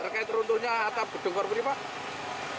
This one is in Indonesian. terkait turun turunnya atau dukungan berikutnya pak